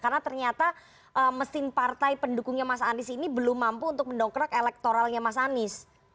karena ternyata mesin partai pendukungnya mas anies ini belum mampu untuk mendokrak elektoralnya mas anies